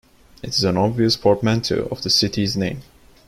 It is an obvious portmanteau of the cities' names.